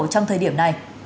trong thời điểm này